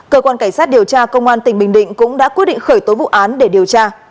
cơ quan cảnh sát điều tra công an tỉnh bình định cũng đã quyết định khởi tố vụ án để điều tra